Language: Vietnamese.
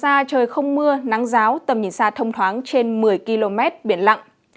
tầm nhìn xa trời không mưa nắng ráo tầm nhìn xa thông thoáng trên một mươi km biển lặng